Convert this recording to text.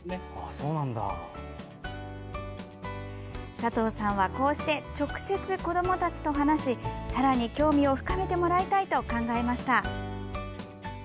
佐藤さんはこうして直接子どもたちと話しさらに興味を深めてもらいたいと考えました。